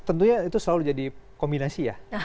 tentunya itu selalu jadi kombinasi ya